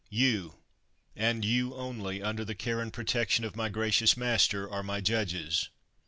You, and you only, under the care and protection of my gracious master, are my judges.